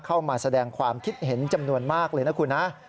เข้ามาแสดงความคิดเห็นจำนวนมากเลยนะคุณนะ